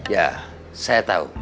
ya saya tau